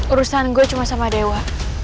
urusan gue cuma sama dewa